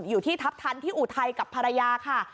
อยู่ที่ทัพทันที่อุทัยกับภรรยาค่ะ